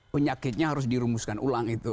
penyakitnya harus dirumuskan ulang itu